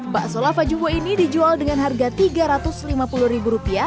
bakso lava jubo ini dijual dengan harga rp tiga ratus lima puluh